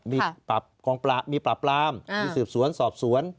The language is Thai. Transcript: มีปรับปรามมีสืบสวนสอบสวน